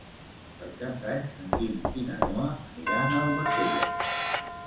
Per Cap d'Any en Guim i na Noa aniran a Almacelles.